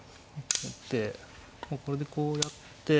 打ってこれでこうやって。